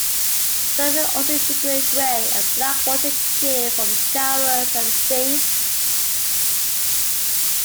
Some will also incinerate grey and black water created from showers and sinks.